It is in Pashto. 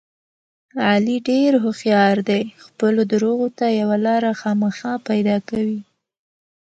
علي ډېر هوښیار دی خپلو درغو ته یوه لاره خامخا پیدا کوي.